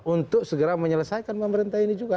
untuk segera menyelesaikan pemerintah ini juga